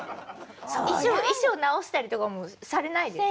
衣装直したりとかもされないです。